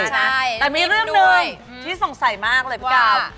แต่มีเรื่องหนึ่งที่สงสัยมากเลยพี่ดาว